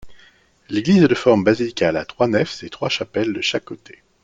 L'église est de forme basilicale à trois nefs et trois chapelles de chaque côté.